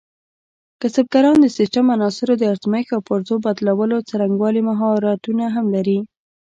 کسبګران د سیسټم عناصرو د ازمېښت او پرزو بدلولو څرنګوالي مهارتونه هم ولري.